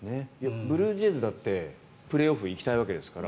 ブルージェイズだってプレーオフ行きたいわけですから。